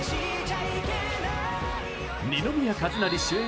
二宮和也主演